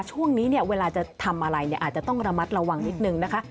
ช่วงนี้เนี่ยเวลาจะทำอะไรเนี่ยอาจจะต้องระมัดระวังนิดนึงนะคะ